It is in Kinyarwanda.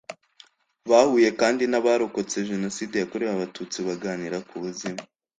bahuye kandi n abarokotse jenoside yakorewe abatutsi baganira k ubuzima